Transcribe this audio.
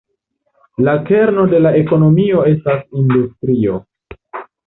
La kerno de la ekonomio estas industrio.